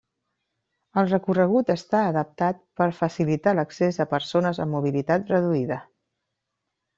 El recorregut està adaptat per facilitar l'accés a persones amb mobilitat reduïda.